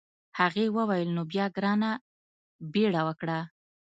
هغې وویل نو بیا ګرانه بیړه وکړه.